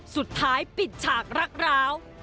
สุดท้ายปิดฉากรักร้าว